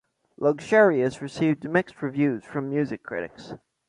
"Luxurious" received mixed reviews from music critics.